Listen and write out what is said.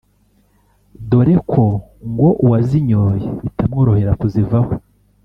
dore ko ngo uwazinyoye bitamworohera kuzivaho